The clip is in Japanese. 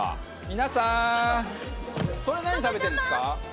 皆さんそれ何食べてんですか？